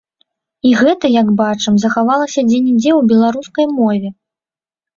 І гэта, як бачым, захавалася дзе-нідзе ў беларускай мове.